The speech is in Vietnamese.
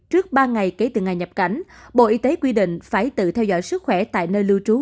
trước ba ngày kể từ ngày nhập cảnh bộ y tế quy định phải tự theo dõi sức khỏe tại nơi lưu trú